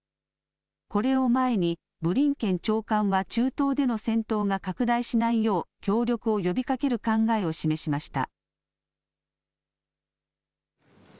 これを前にブリンケン長官は中東での戦闘が拡大しないよう協力を呼びかける考えを示しました。